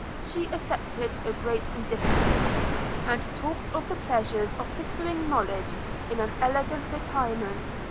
She affected a great indifference, and talked of the pleasures of pursuing knowledge in an elegant retirement.